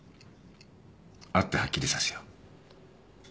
会ってはっきりさせよう。